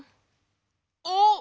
あっ。